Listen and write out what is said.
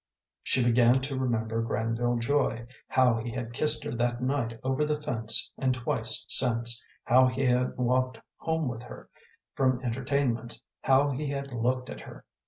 She began to remember Granville Joy, how he had kissed her that night over the fence and twice since, how he had walked home with her from entertainments, how he had looked at her.